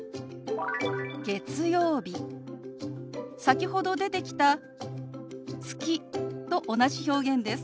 先ほど出てきた「月」と同じ表現です。